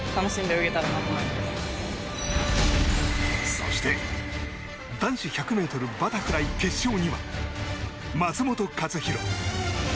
そして男子１００ｍバタフライ決勝には松元克央。